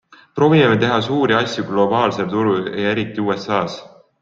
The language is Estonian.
Proovime teha suuri asju globaalsel turul ja eriti USAs.